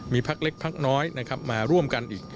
มีพักเล็กพักน้อยมาร่วมกันอีก